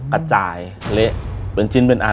กระจายเละเป็นชิ้นเป็นอัน